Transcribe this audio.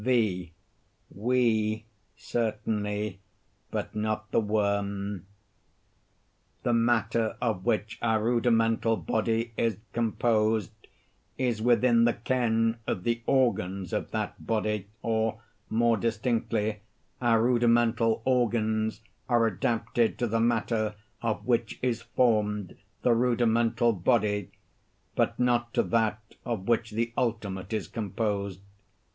V. We, certainly—but not the worm. The matter of which our rudimental body is composed, is within the ken of the organs of that body; or, more distinctly, our rudimental organs are adapted to the matter of which is formed the rudimental body; but not to that of which the ultimate is composed.